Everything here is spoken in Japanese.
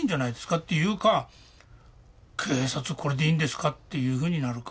っていうか「警察これでいいんですか？」っていうふうになるか。